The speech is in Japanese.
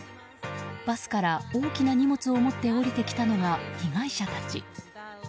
バスから大きな荷物を持って降りてきたのが被害者たち。